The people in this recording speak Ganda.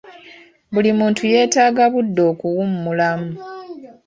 Buli muntu yeetaaga budde okuwummulamu.